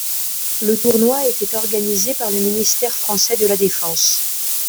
Le tournoi était organisé par le ministère français de la Défense.